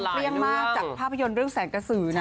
เลี่ยงมากจากภาพยนตร์เรื่องแสงกระสือนะ